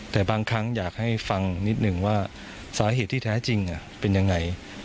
แต่บางครั้งอยากให้ฟังนิดหนึ่งว่าสาเหตุที่แท้จริงเป็นยังไง